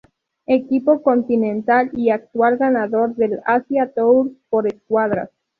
Equipo Continental y actual ganador del Asia tour por escuadras.